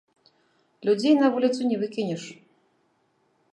Людзей на вуліцу не выкінеш.